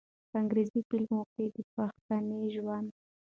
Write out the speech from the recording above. په انګرېزي فلمونو کښې د پښتني ژوند